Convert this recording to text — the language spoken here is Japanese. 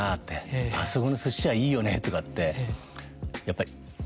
あそこのすし屋いいよね」とかってやっぱり。